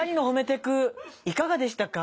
テクいかがでしたか？